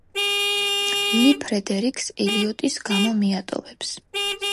ლი ფრედერიკს ელიოტის გამო მიატოვებს.